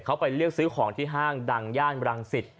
เขาไปเลือกซื้อของที่ห้างดังย่านรังสิต